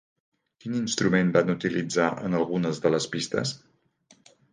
Quin instrument van utilitzar en algunes de les pistes?